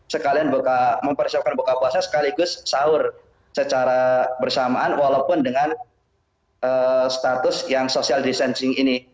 sekalian mempersiapkan buka puasa sekaligus sahur secara bersamaan walaupun dengan status yang social distancing ini